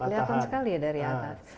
kelihatan sekali ya dari atas